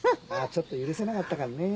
ちょっと許せなかったからね。